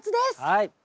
はい。